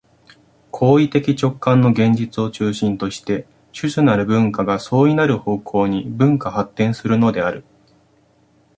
行為的直観の現実を中心として種々なる文化が相異なる方向に分化発展するのである。